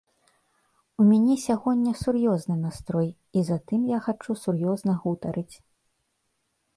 У мяне сягоння сур'ёзны настрой, і затым я хачу сур'ёзна гутарыць.